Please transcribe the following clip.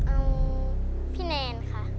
เอาพี่แนนค่ะ